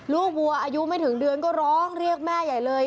วัวอายุไม่ถึงเดือนก็ร้องเรียกแม่ใหญ่เลย